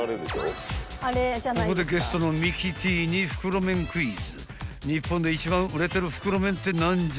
［ここでゲストのミキティに袋麺クイズ］